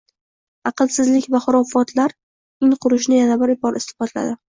aqlsizlik va xurofotlar in qurishini yana bir bor isbotladi.